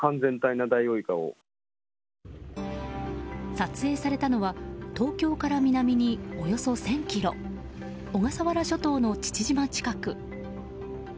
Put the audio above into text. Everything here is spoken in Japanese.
撮影されたのは東京から南におよそ１０００ｋｍ小笠原諸島の父島近く。